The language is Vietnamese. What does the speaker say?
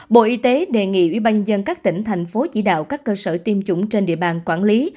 bộ y tế đề nghị ủy ban nhân dân các tỉnh thành phố chỉ đạo các cơ sở tiêm chủng trên địa bàn quản lý